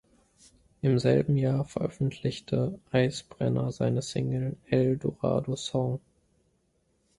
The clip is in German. Im selben Jahr veröffentlichte Eisbrenner seine Single "El Dorado Song.